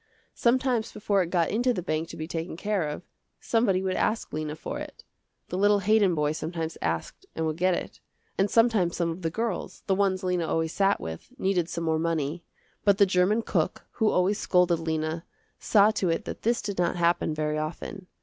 Sometimes before it got into the bank to be taken care of, somebody would ask Lena for it. The little Haydon boy sometimes asked and would get it, and sometimes some of the girls, the ones Lena always sat with, needed some more money; but the german cook, who always scolded Lena, saw to it that this did not happen very often.